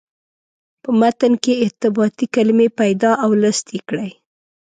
په متن کې ارتباطي کلمې پیدا او لست یې کړئ.